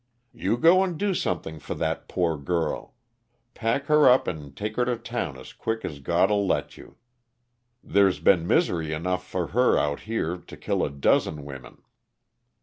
"You go and do something for that poor girl. Pack her up and take her to town as quick as God'll let you. There's been misery enough for her out here to kill a dozen women."